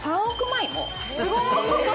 すごい！